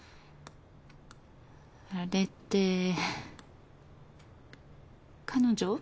あれって彼女？